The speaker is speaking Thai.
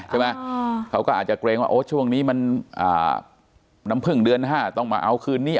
ใช่ไหมเขาก็อาจจะเกรงว่าโอ้ช่วงนี้มันน้ำพึ่งเดือน๕ต้องมาเอาคืนนี้